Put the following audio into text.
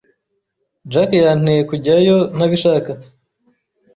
Jack yanteye kujyayo ntabishaka.